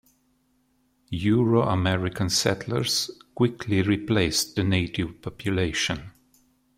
Euro-American settlers quickly replaced the native population.